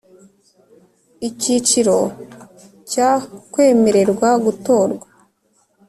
Icyiciro cya kwemererwa gutorwa